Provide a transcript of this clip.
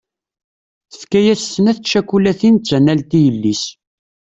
Tefka-as snat tcakulatin d tanalt i yelli-s.